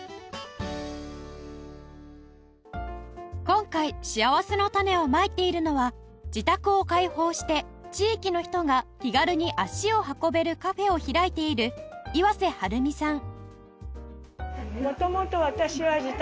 今回しあわせのたねをまいているのは自宅を開放して地域の人が気軽に足を運べるカフェを開いている岩瀬はるみさん